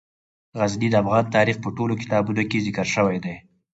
غزني د افغان تاریخ په ټولو کتابونو کې ذکر شوی دی.